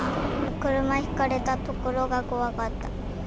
車ひかれたところが怖かった。